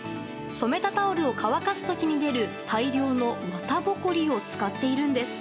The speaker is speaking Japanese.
染めたタオルを乾かす時に出る大量の綿ぼこりを使っているんです。